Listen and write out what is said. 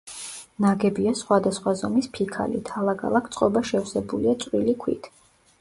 ნაგებია სხვადასხვა ზომის ფიქალით, ალაგ-ალაგ წყობა შევსებულია წვრილი ქვით.